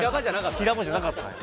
平場じゃなかったんよ